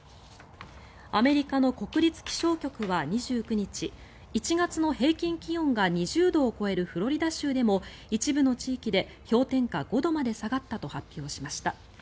アメリカの国立気象局は２９日１月の平均気温が２０度を超えるフロリダ州でも一部の地域で氷点下５度まで下がったと発表しました。